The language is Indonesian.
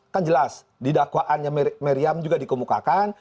kan jelas di dakwaannya meriam juga dikemukakan